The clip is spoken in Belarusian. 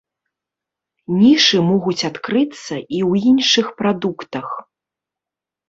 Нішы могуць адкрыцца і ў іншых прадуктах.